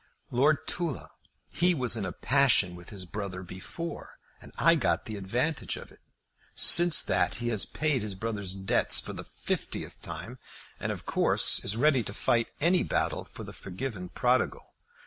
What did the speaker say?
"Lord Tulla. He was in a passion with his brother before, and I got the advantage of it. Since that he has paid his brother's debts for the fifteenth time, and of course is ready to fight any battle for the forgiven prodigal.